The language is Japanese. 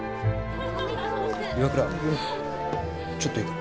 岩倉ちょっといいか？